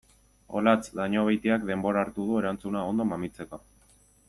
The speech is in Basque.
Olatz Dañobeitiak denbora hartu du erantzuna ondo mamitzeko.